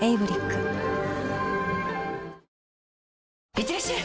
いってらっしゃい！